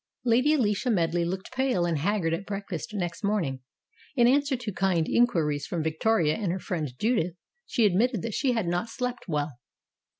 Lady Alicia Medley looked pale and haggard at breakfast next morning. In answer to kind inquiries from Victoria and her friend Judith, she admitted that she had not slept well.